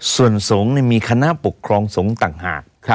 ส่วนสงฆ์มีคณะปกครองสงฆ์ต่างหาก